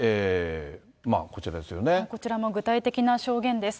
こちらも具体的な証言です。